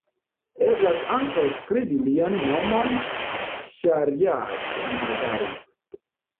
Eblas ankaŭ skribi lian nomon Ŝariat-Madari.